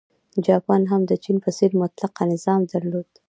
جاپان هم د چین په څېر مطلقه نظام درلود.